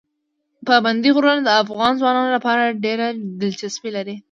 پابندي غرونه د افغان ځوانانو لپاره ډېره دلچسپي لري.